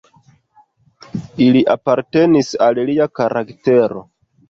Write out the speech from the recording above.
Ili apartenis al lia karaktero.